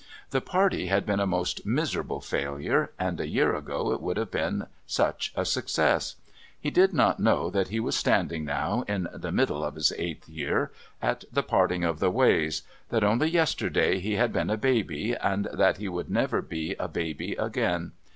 The party had been a most miserable failure, and a year ago it would have been such a success. He did not know that he was standing now, in the middle of his eighth year, at the parting of the ways; that only yesterday he had been a baby, and that he would never be a baby again.